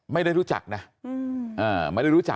ไม่ได้รู้จักนะ